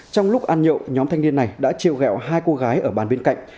trong lúc ăn nhậu nhóm thanh niên này đã treo gẹo hai cô gái ở bàn bên cạnh